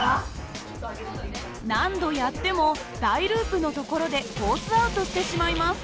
何度やっても大ループの所でコースアウトしてしまいます。